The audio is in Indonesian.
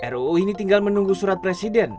ruu ini tinggal menunggu surat presiden